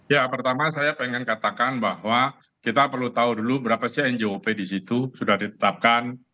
ya pertama saya ingin katakan bahwa kita perlu tahu dulu berapa sih njop di situ sudah ditetapkan